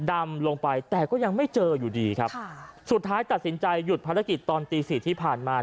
ดำลงไปแต่ก็ยังไม่เจออยู่ดีครับค่ะสุดท้ายตัดสินใจหยุดภารกิจตอนตีสี่ที่ผ่านมา